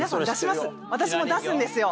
私も出すんですよ。